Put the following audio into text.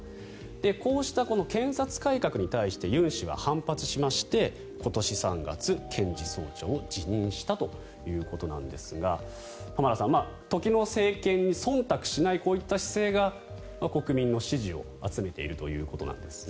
こうした検察改革に対してユン氏は反発しまして今年３月、検事総長を辞任したということですが浜田さん時の政権にそんたくしないこういった姿勢が国民の支持を集めているということですね。